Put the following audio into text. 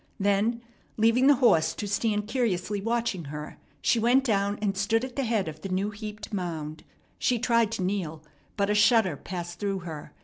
Then, leaving the horse to stand curiously watching her, she went down and stood at the head of the new heaped mound. She tried to kneel, but a shudder passed through her.